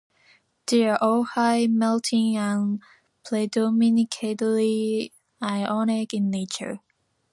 They are all high melting and predominantly ionic in nature.